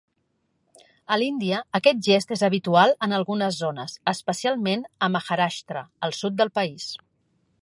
A l'Índia, aquest gest és habitual en algunes zones, especialment a Maharashtra, al sud del país.